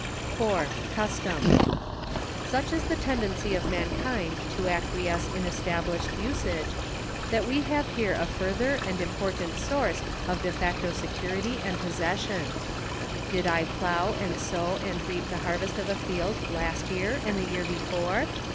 4. Custom. Such is the tendency of mankind to acquiesce in established usage, that we have here a further and im portant source of de facto security and possession. Did I plough and sow and reap the harvest of a field last year and the year before